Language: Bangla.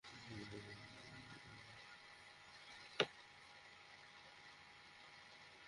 ফলে পৃথিবীর অন্যতম আকর্ষণীয় প্রাণী বেঙ্গল টাইগারের অস্তিত্ব পরোক্ষভাবে হুমকির মুখে পড়ছে।